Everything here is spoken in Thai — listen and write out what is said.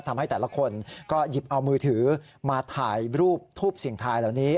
ทำให้แต่ละคนก็หยิบเอามือถือมาถ่ายรูปทูปเสียงทายเหล่านี้